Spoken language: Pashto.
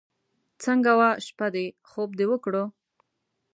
څنګه وه شپه دې؟ خوب دې وکړو.